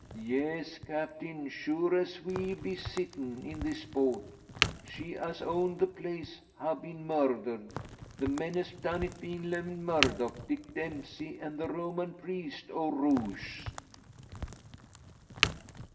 Yes, Captain; sure as we be sittin' in this boat, she as owned the place ha' been murdered the men as done it bein' Lewin Murdock, Dick Dempsey, and the Roman priest o' Rogues!"